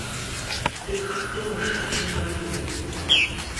Дык хто ж з кім ваюе?